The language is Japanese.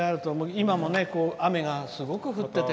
今もね、雨がすごく降ってて。